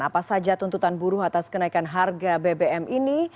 apa saja tuntutan buruh atas kenaikan harga bbm ini